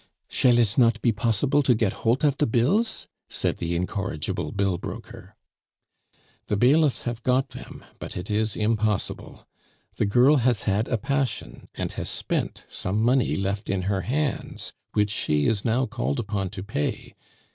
"Shall it not be possible to get holt of de bills?" said the incorrigible bill broker. "The bailiffs have got them but it is impossible. The girl has had a passion, and has spent some money left in her hands, which she is now called upon to pay.